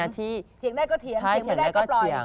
เถียงได้ก็เถียงเถียงไม่ได้ก็ปล่อย